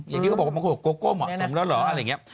อย่างที่เขาบอกว่าโกโก้เหมาะสมแล้วเหรออะไรอย่างเงี้ย